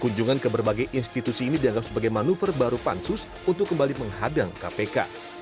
kunjungan ke berbagai institusi ini dianggap sebagai manuver baru pansus untuk kembali menghadang kpk